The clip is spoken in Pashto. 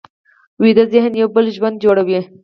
ویده ذهن یو بل ژوند جوړوي